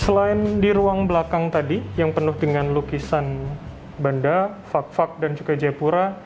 selain di ruang belakang tadi yang penuh dengan lukisan banda fak fak dan juga jayapura